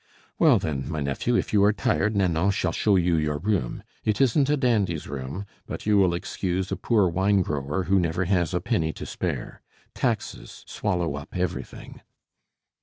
"Well then, my nephew, if you are tired, Nanon shall show you your room. It isn't a dandy's room; but you will excuse a poor wine grower who never has a penny to spare. Taxes swallow up everything."